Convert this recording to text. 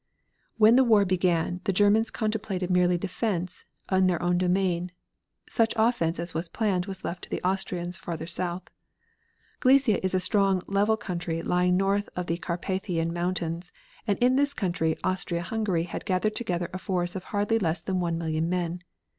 When the war began the Germans contemplated merely defense in their own domain; such offense as was planned was left to the Austrians farther south. Galicia is a long, level country lying north of the Carpathian Mountains, and in this country Austria Hungary had gathered together a force of hardly less than one million men.